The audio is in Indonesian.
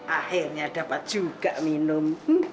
akhirnya dapat juga minum